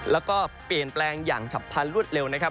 แล้วก็เปลี่ยนแปลงอย่างฉับพันธรวดเร็วนะครับ